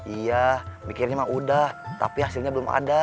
iya mikirnya mah udah tapi hasilnya belum ada